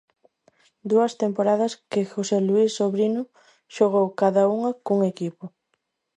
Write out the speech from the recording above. Dúas temporadas que José Luís Sobrino xogou cada unha cun equipo.